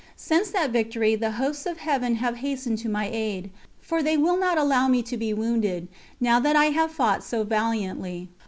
Since that victory, the hosts of Heaven have hastened to my aid, for they will not allow me to be wounded, now that I have fought so valiantly.